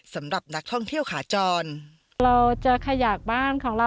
สำหรับนักท่องเที่ยวขาจร